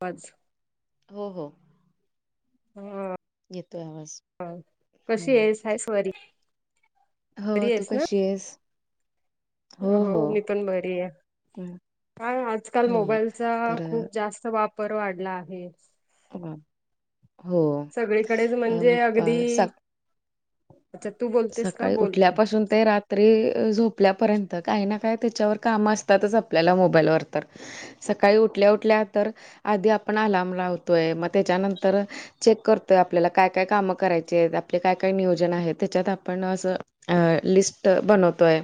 पाच हो हो हा येतोय आवाज. हा, कशी हं. आहेस हायस बरी? हो, बरी तू आहेस ना कशी आहेस? हो मी पण बरी आहे, हं. काय आजकाल हो. मोबाईलचा तर खूप जास्त चा वापर वाढला आहे हो सगळीकडेच म्हणजे अगदी स अच्छा तू बोलतेस का सकाळी बोल बोल उठल्यापासून ते रात रात्री झोपल्यापर्यंत काही ना काय त्याच्यावर काम असतातच आपल्याला मोबाईलवर तर सकाळी उठल्या उठल्या तर आधी आपण अलाम लावतोय मग त्याच्यानंतर चेक करतोय आपल्याला काय काय कामं करायचे आहेत आपले काय काय नियोजन आहेत त्याच्यात आपण असं अ लिस्ट बनवतोय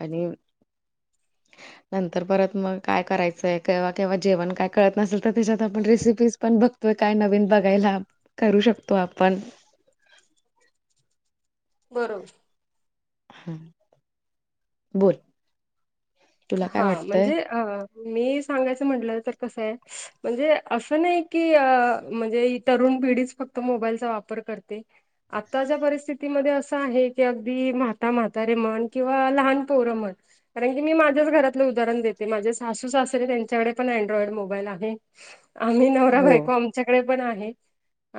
आणि [inaudible] नंतर परत मग काय करायचंय केव्हा जेवण काय कळत नसेल तर त्याच्यात आपण रेसिपी पण बघतोय काय नवीन बघायला करू शकतो आपण बरोबर हम्म बोल तुला हा काय वाटतंय? म्हणजे मी सांगायचं म्हटलं तर कसंय म्हणजे असं नाही की म्हणजे तरुण पिढीच फक्त मोबाईलचा वापर करते आत्ताच्या परिस्थितीमध्ये असं आहे की अगदी म्हाता म्हातारे म्हण किंवा लहान पोरं म्हण कारण की मी माझ्याच घरातलं उदाहरण देते माझे सासू सासरे त्यांच्याकडे पण अँड्रॉइड मोबाईल आहे आम्ही नवरा हो बायको आमच्याकडे पण आहे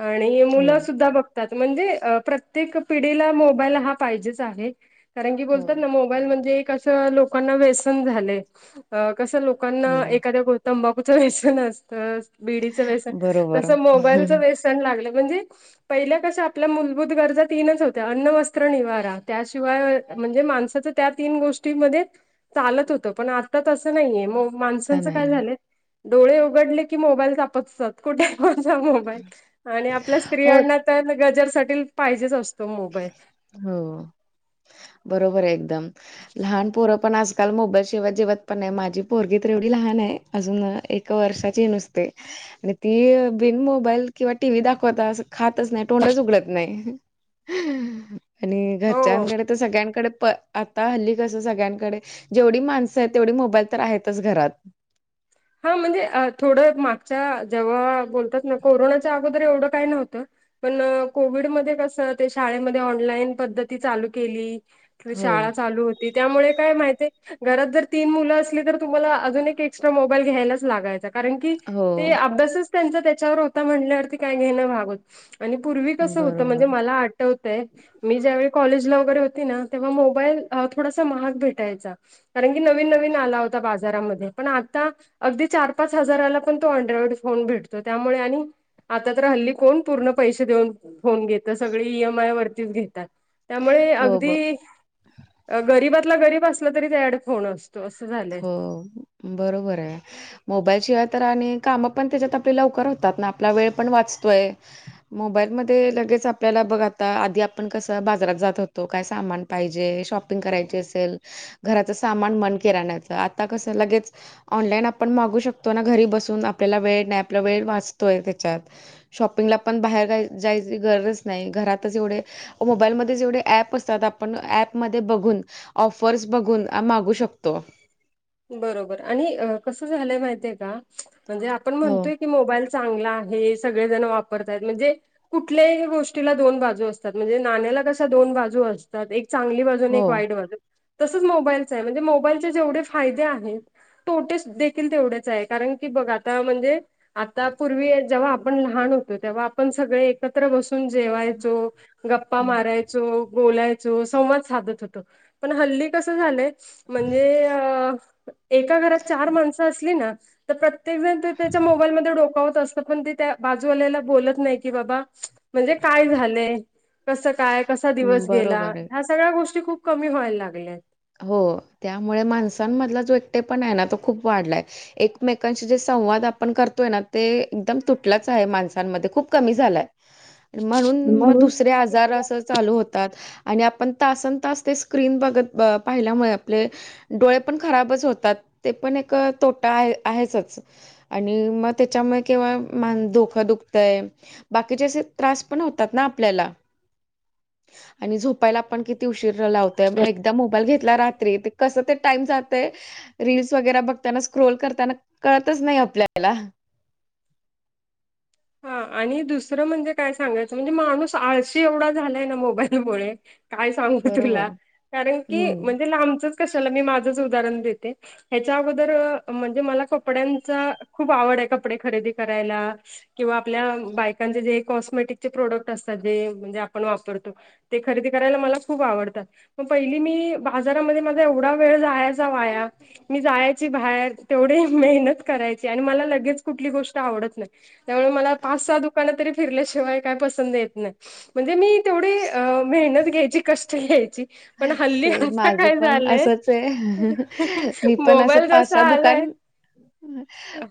आणि हो. मुलं सुद्धा बघ म्हणजे प्रत्येक पिढीला मोबाईल हा पाहिजेच आहे कारण की हो बोलतात ना मोबाईल म्हणजे कसं लोकांना व्यसन झालंय कसं लोकांना हो एखाद्या गोष्टी तंबाखूचं व्यसन असतं बीडीचं व्यसन बरोबर तसं मोबाईलचं व्यसन लागल म्हणजे पहिल्या कशा आपल्या मूलभूत गरजा तीनच होत्या अन्न, वस्त्र, निवारा त्याशिवाय म्हणजे माणसाच त्या तीन गोष्टीमध्ये चालत होत पण आता तस नाहीये मग का माणसांचं नाही काय झालंय डोळे उघडले की मोबाईल चापसतात कुठंय माझा मोबाईल आणि आपल्या हो स्त्रियांना तर गजरसाठी पाहिजेच असतो मोबाईल हो बरोबर आहे एकदम लहानपोर पण आजकाल मोबाईल शिवाय जेवत पण नाही माझी पोरगी तर एवढी लहान आहे अजून एक वर्षाची आहे नुसते आणि ती बिन मोबाईल किंवा टी. व्ही दाखवत खातच नाही तोंडच उघडत नाही आणि हो घरच्यांकडे तर सगळ्यांकडे प आता हल्ली कस सगळ्यांकडे जेवढी माणसं आहेत तेवढी मोबाईल तर आहेतच घरात हो म्हणजे थोडं मागच्या जेव्हा बोलतात ना कोरोनाच्या अगोदर एवढं काय नव्हतं पण कोविडमध्ये कस ते शाळेमध्ये ऑनलाईन पद्धती चालू केली हो. शाळा चालू हो ते त्यामुळे काय माहितीय घरात जर तीन मुल असली तर तुम्हाला अजून एक एक्स्ट्रा मो बाईल घ्यायलाच लागायचा कारण की ते हो, अभ्यासच त्यांचा त्याच्यावर होता म्हणल्यावरती काय घेणं भागत आणि पूर्वी कसं होतं म्हणजे बरोबर. मला आठवतंय मी ज्यावेळी कॉलेजला वगैरे होती ना तेव्हा मोबाईल थोडासा महाग भेटायचा कारण की नवीन नवीन आला होता बाजारामध्ये पण आ आता अगदी चार पाच हजाराला पण तो अनड्रॉइड फोन भेटतोय त्यामुळे आणि आता तर हल्ली कोण पूर्ण पैसे देऊन फोन घेतं सगळे ई एम आय वरतीच घेतात त्यामुळे हो, ब अगदी गरीबातला गरीब असला तरी त्याच्याकडे फोन असतो अस झालय हो बरोबर आहे. मोबाईल शिवाय तर आणि काम पण त्याच्यात आपली लवकर होतात ना आपला वेळ पण वाचतोय मोबाईलमध्ये लगेच आपल्याला बघ आता आधी आपण कसं बाजारात जात होतो काय सामान पाहिजे शॉपिंग करायची असेल घराच सामान मनके राहण्याचं आता कसं लगेच ऑनलाईन आपण मागू शकतो ना घरी बसून आपल्याला वेळ नाही आपला वेळ वाचतोय त्याच्यात शॉपिंगला पण बाहेर जायची गरजच नाही घरातच एवढे मोबाईलमध्ये एवढे ऍप असतात आपण ऍपमध्ये बघून ऑफर्स बघून मागू शकतो बरोबर आणि कस झालंय माहिय का म्हणजे आपण हो म्हणतोय की मोईल. चांगला हे सगळेजण वापरतायत म्हणजे कुठल्या गोष्टीला दोन बाजू असतात म्हणजे नाण्याला कश दोन बाजू असतात एक चांगली बाजू हो तसंच मोबाईल च आहे मोबाईल चे जेवढे फायदे आहेत. तोटेस देखील तेवढेच आहे कारण की बघ आता म्हणजे आता पूर्वी जेव्हा आपण लहान होतो तेव्हा आपण सगळे एकत्र बसून जेवायचो गप्पा मारायचो बोलायचो संवाद साधत होत पण हल् कस झाय म्हणजे. अ एका घरात चार माणसं असली ना. तर प्रत्येक जण ते त्याच्या मोबाईलमध्ये डोका होत असत. पण ते त्या बाजूवाल्याला बोलत नाही की बाबा. म्हणजे काय झालंय कस काय कसा दिवस गेला बरोबर आहे ह. सगळ्या गोष्टी खूप कमी व्हायला लागल्या. हो त्यामुळे माणसांमधला जो एकटे पण आहे ना तो खूप वाढलाय. एकमेकांशी जे संवाद आपण करतोय ना ते एकदम तुटलंच आहे माणसांमध्ये खूप कमी झालाय. ह. म्हणून मग दुसरे आजार असं. चालु होतात आणि आपण तासनतास ते स्क्रीन बघत पाहिल्यामुळे आपले डोळे पण खराबच होतात ते पण एक तोटा आहे आहेचच. आणि मग त्याच्यामुळे केव्हा मान डोकं दुखतय. बाकीचे त्रास पण होतात ना आपल्याला आणि झोपायला आपण कि. उशीर लावत एकदा मोबाईल घेतला रात्री कसं ते टाईम जातय. रीलस वगैरे बघताना स्क्रोल करताना कळतच नाही आपल्याला. हा आणि दुसरं म्हणजे काय सांगायचं म्हणजे माणूस आळशी एवढा झालाय ना मोबाईलमुळे. काय सांगू तुला बरोबर. कारण की हं. म्हणजे लांबचंच कशाला मी माझंच उदाहरण देते. ह्याच्याबदर म्हणजे मला कपड्यांचा खूप आवड आहे कपडे खरेदी करायला. किंवा आपल्या बायकांचे जे कॉस्मेटिकचे प्रोडक्ट असतात जे म्हणजे आपण वापरतो. ते खरेदी करायला मला खूप आवडतात. मग पहिली मी बाजारामध्ये माझा एवढा वेळ जायचा वाया. मी जायची बाहेर तेवढी मेहनत करायची आणि मला लगेच कुठली गोष्ट आवडत नाही. त्यामुळे मला पाच सहा दुकानं तरी फिरल्याशिवाय काय पसंद येत नाही म्हणजे मी तेवढे. मेहनत घ्यायची कष्ट घ्यायची. पण स हल्ली आता माझं काय पण झालंय असंच आहे मी पण असं मोबाईल जसा पाचहा आलाय दुकान.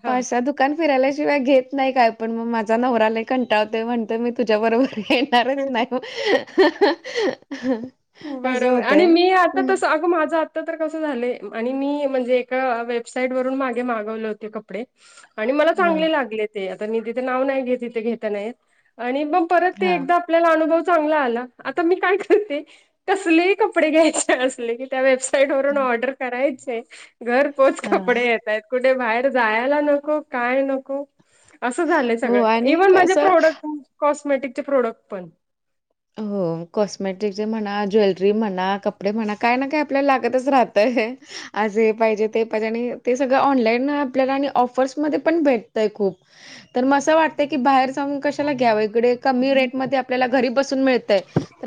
हा पाच साहा दुकान फिरायलाशिवाय घेत नाही काय पण मग माझा नवराला कंटावते म्हणते मी तुझ्या बरोबर घणारच नाही. असं बरोबर आणि होतंय. मी आता तस अगं माझा आ तर कस झालय आणि मी म्हणजे ए वेबसाईट वून मागे मागवले होते कपडे आणि मला हां, चांगले लागले ते आता मी तिथे नाव नाही घे तिथे घेता नाही आणि मग परत ते हां, एकदा आपला अनुभव चांगला आला आता मी काय करते कसलेही कपडे घ्यायचे असले की त्या वेबसाईट वरून ऑर्डर करायचे आहे घर पोच हां. कपडे येतय कुठे बाहेर जायला नको काय नको असं झालंय हो सगळं आणि इव्हन माझे कसं प्रोडक्ट कॉस्मेटिकचे प्रोडक्ट पण हो कॉस्मॅटिकचे म्हणा ज्वेलरी म्हणा कपडे म्हणा काय ना काय आपल्याला लागतच राहतंय आजे पाहिजे ते पाहिजे आणि ते सगळं ऑनलाईन आपल्याला आणि ऑफर्समध्येध्ये पण भेटतय खूप तर मग असं वाटतंय की बाहेर जाऊन कशाला घ्याव इकडे कमी रेट म आपल्याला घरी बस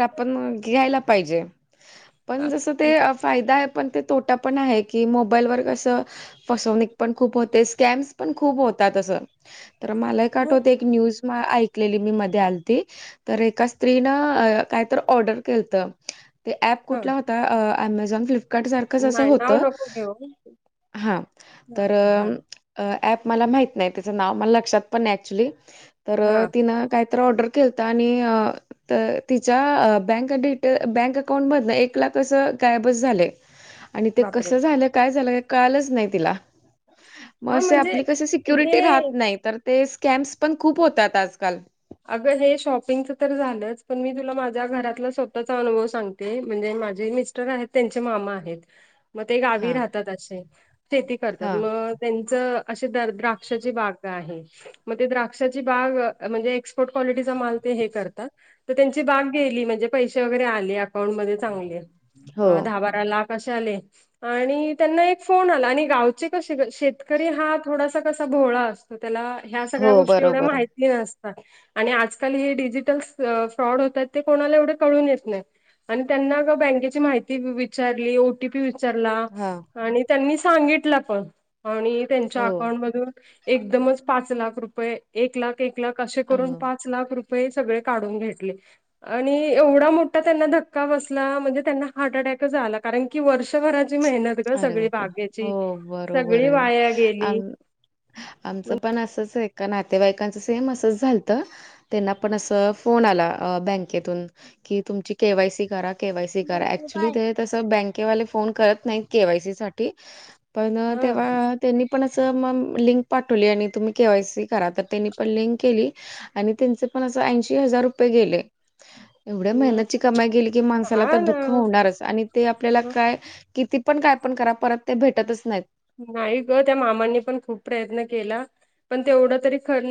आपण घ्याला पाहिजे पण जस फायदा आहे पण ते तोटा पण आहे की मोबाईलवर कसं फसवणक पण खूप होते स्कॅम्स पण खूप होतात तसं तर मला एक आठवते एक न्यूज ऐकलेली मी मध्ये आलती तर एकाच स्त्री ना काय तर ऑर्डर केलत ते ऍप हा कुठला होता अमेझॉन फ्लप्ट सार अस नाही होत नाव नको घेऊ. हा तर हां ऍप मला माहत नाही त्याच नाव मला लक्षात पण नाही ऍक्च्युली तर हां तिन काय तर ऑर्डर केलता आणि तर तिच्या बँक डिटे बँक अकाउंटमधन एक लाख असं गायबच झालं [inaudible] आणि ते कसं झालं काय झालं कळालंच नाही तिला मग हां असे म्हणजे आपली कशी सिक्युरिटी हे राहत नाही तर ते स्कॅम्स पण खूप होतात आजकाल अगं हे शॉपिंगचं तर झालंच पण मी तुला माझ्या घरातला स्वतःचा अनुभव सांगते म्हणजे माझे मिस्ट र आहेत त्यांचे मामा आहेत मग ते गावी हां, राहतात असे शेती करतात हां. मग त्यांच अ द द्राक्षाची बाग आहे मग ते द्राक्षाची बाग म्हणजे क त्यांची बाग गेली म्हणे पर हो, आ [inaudible] [inaudible] लाख आसे आले आणि त्यांना एक फोन आला आणि गा क शेतकरी हा थोडासा कसा भोळा असतो त्याला ह्या हो, सगळ्या गोष्टी एवढ्या बरोबर. मा तात आणि आजकाल हे डिजिटल फ्रॉड होतात ते कोणाला एवढे कळून येत नाही. आणि त्यांना बँकेची माहिती विचारली. टी पी विचारलं हां, आणि त्यांनी सांगितलं पण आणि त्यांच्या हो, अकाउंटमधून एकदमच पाच लाख रुपये एक लाख एक लाख असे करून हो. पाच लाख रुपये सगळे काढून घेतले. आणि एवढा मोठा त्यांना धक्का बसला म्हणजे त्यांना हार्ट अटॅकच आला. कारण की वर्षभराची मेहनत ग अरे सगळी बाबा हो बागेची बरोबर सगळी आहे वाया आ गेली आमचं पण असंच आहे एका नातेवाईकांचं सेम असंच झालत. त्यांना पण असं फोन आला बँकेतून कि तुमची केवाय सी करा. केवायसी करा ऍक्च्युली ते तस बँकेवाले फोन करत नाही केवायसी साठी पण हा तेव्हा त्यांनी पण असं मग लिंक पाठवली आणि तुम्ही केवाय सी करा तर त्यांनी पण लिंक केली. आणि त्यांचे पण असं ऐंशी हजार रुपये गेले एवढ्या मग मेहनतची कमाई गेली की माणसाला तर हा दुःख ना होणारच आणि ते आपल्याला काय किती पण काय पण करा परत ते भेटतच नाहीत. नाही ग त्या मामांनी पण खूप प्रयत्न केला. पण ते एवढं तरी खर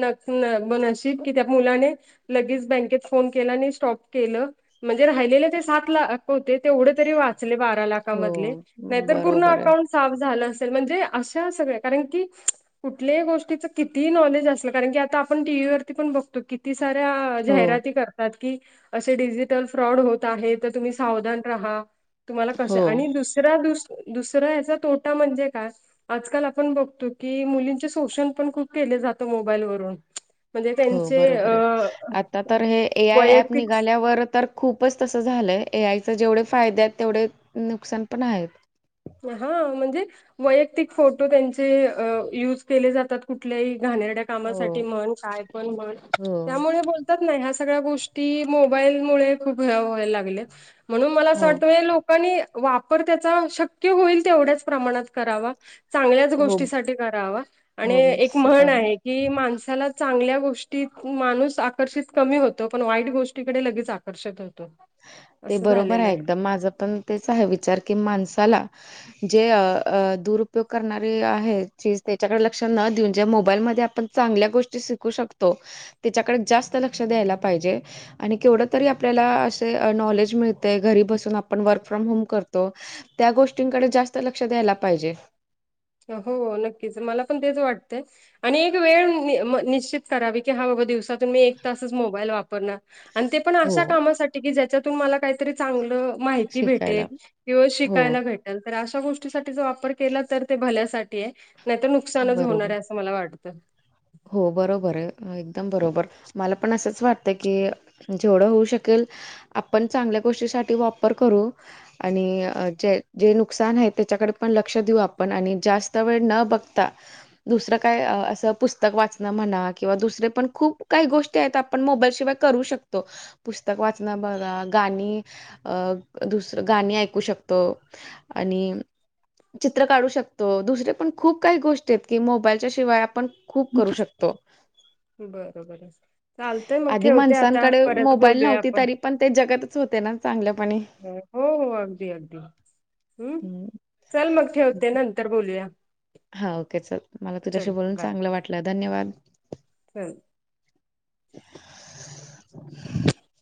नशीब की त्या मुलाने लगेच बँकेत फोन केला आणि स्टॉप केलं. म्हणजे राहिलेले ते सात लाख होते तेवढे तरी वाच बारा लाखांमध्ये हो नाहीतर पूर्ण बरोबर आहे अकाउंट साफ झालं असतं. म्हणजे अशा सगळ्या कारण की कुठल्याही गोष्टीच किती नॉलेज असलं कारण की आता आपण टीव्ही वरती पण बघतो. तू किती साऱ्या हो जाहिराती कर. की असे डिजिटल फ्रॉड होत आहे तर तुम्ही सावधान राहा. तुम्हाला कसं हो. आणि दुसरा द दुसरा याचा तोटा म्हणजे का आजकाल आपण बघतो की मुलींचे शोषण पण खूप केले जात मोबाईलवरून म्हणजे हो त्यांचे बरोबर आहे आता अ तर हे ए आय ऍप वैयक्तिक निघाल्यावर तर खूपच तसं झालंय ए आयचे जेवढे फायदे आहेत तेवढे नुकसान पण आहेत. हा म्हणजे वैयक्तिक फोटो त्यांचे युज केले जातात, कुठल्याही घाणेरड्या कामासाठी हो, म्हण काय पण म्हण हो. त्यामुळे बो बोलतचं नाही, ह्या सगळ्या गोष्टी मोबाईल मुळे खूप हे व्हाय लागल्यात म्हणून मला अस हो, वाटतयं नी वापर त्याचा शक्य होईल तेवढ्याच प्रमाणात करावा.. चांगल्याच हो, गोष्टीसाठी करावा आणि हो. एक स म्हण आहे. कि माणसाला चांगल्या गोष्टीत माणूस आकर्षित कमी होतो, पण वाईट गोष्टीकडे लगेच वर्षात होतो. ते असं बरोबर झालेलं आहे, एकदम माझं पण तेच आहे विचार की माणसाला जे दुरुपयोग करणारी आहेत, जी त्याच्याकडे लक्ष न देऊन ज मोबाईलमध्ये आपण चांगल्या गोष्टी शिकू शकतो. त्याच्याकडे जास्त लक्ष द्यायला पाहिजे, आणि केवढ तरी आपल्याला नॉलेज मिळते, घरी बसून आपण वर्क फ्रॉम होम करतो. त्या गोष्टींकडे जास्त लक्ष द्यायला पाहिजे. हो, नक्कीच मला पण तेच वाटतय. आणि एक वेळ निश्चित करावी की, हा बाबा दिवसातून मी एक तासच मोबाईल वापरणार. आणि ते पण हो अशा कामासाठी की ज्याच्यातून मला काहीतरी चांगलं माहिती शिकायला भेटेल किंवा हो शिकायला भेटेल तर, अशा गोष्टीसाठी ज वापर केला तर ते भल्यासाठी आहे नाही तर, नुकसानच बरोबर होणार आहे असं मला वाटतं. हो बरोबर आहे, एकदम बरोबर मला पण असंच वाटतं की जेवढं होऊ शकेल, आपण चांगल्या गोष्टीसाठी वापर करू आणि जे जे नुकसान आहे, त्याच्याकडे पण लक्ष देऊ आपण आणि जास्त वेळ न बघता दुसरं काय असं पुस्तक पुस्तक वाचणं म्हणा किंवा दुसरे पण खूप काही गोष्टी आहेत, आपण मोबाईल शिवाय करू शकतो. पुस्तक वाचन बघा गाणी अ दुसर गाणी ऐकू शकतो. आणि चित्र काढू शकतो, दुसरे पण खूप काही गोष्टी आहेत की मोबाईलच्या शिवाय आपण खूप करू शकतो. बरोबर चालतयं मग, आधी ठेवते आता माणसांकडे परत मोबाईल बोलूया नव्हती आपण. तरी पण ते जगातच होते ना, चांगल्यापणी. हो हो, अगदी अगदी हम्म, हम्म चल मग ठीक ठेवते आहे. नंतर बोलूया. हा ओके, चल मला तुझ्याशी चल बोलून चांगलं वाटलं धन्यवाद! हम्म, [unintelligible]